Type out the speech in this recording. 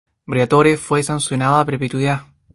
Briatore fue sancionado a perpetuidad.